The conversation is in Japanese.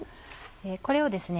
これをですね